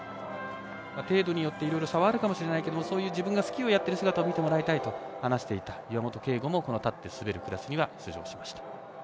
程度によっていろいろ差はあるかもしれないけどそういう自分がスキーをやっている姿を見てもらいたいと話していた岩本啓吾も立って滑るクラスに出場しました。